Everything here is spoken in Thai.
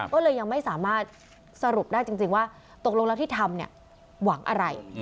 ก็เลยยังไม่สามารถสรุปได้จริงว่าตกลงแล้วที่ทำเนี่ยหวังอะไร